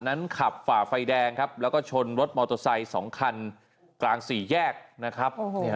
ขับฝ่าไฟแดงครับแล้วก็ชนรถมอเตอร์ไซค์๒คันกลางสี่แยกนะครับ